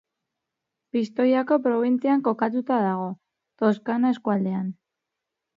Pistoiako probintzian kokatuta dago, Toscana eskualdean.